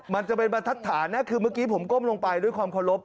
มันจะเป็นบรรทัดฐานนะคือเมื่อกี้ผมก้มลงไปด้วยความเคารพ